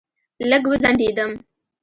لږ وځنډېدم.